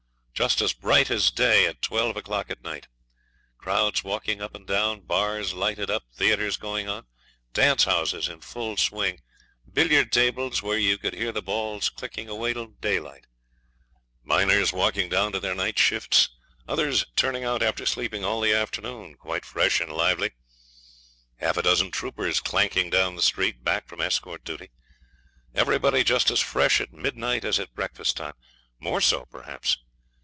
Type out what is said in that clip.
Just as bright as day at twelve o'clock at night. Crowds walking up and down, bars lighted up, theatres going on, dance houses in full swing, billiard tables where you could hear the balls clicking away till daylight; miners walking down to their night shifts, others turning out after sleeping all the afternoon quite fresh and lively; half a dozen troopers clanking down the street, back from escort duty. Everybody just as fresh at midnight as at breakfast time more so, perhaps.